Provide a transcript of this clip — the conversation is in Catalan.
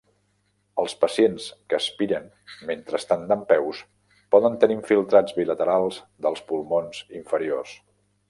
Els pacients que aspiren mentre estan dempeus poden tenir infiltrats bilaterals dels pulmons inferiors.